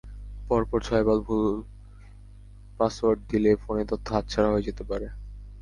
পরপর ছয়বার ভুল পাসওয়ার্ড দিলে ফোনের তথ্য হাতছাড়া হয়ে যেতে পারে।